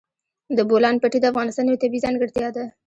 د بولان پټي د افغانستان یوه طبیعي ځانګړتیا ده.